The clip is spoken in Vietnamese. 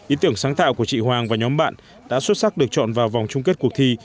ý tưởng sáng tạo của chị hoàng và nhóm bạn đã xuất sắc được chọn vào vòng chung kết cuộc thi